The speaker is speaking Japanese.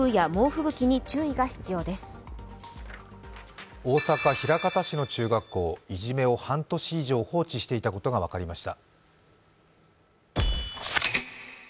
大阪・枚方市の中学校で部活の顧問がいじめを半年以上も放置していたことが分かりました。